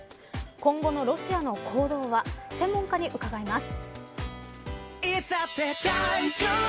今後のロシアの行動は専門家に伺います。